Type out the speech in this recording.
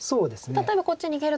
例えばこっち逃げると。